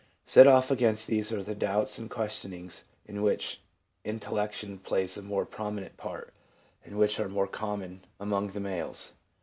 Set off against these are the doubts and question ings, in which intellection plays a more prominent part, and which are far more common among the males.